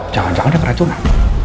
jangan jangan ada keracunan